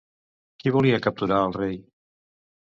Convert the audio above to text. Qui volia capturar el rei?